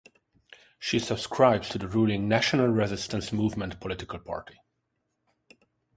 She subscribes to the ruling National Resistance Movement political party.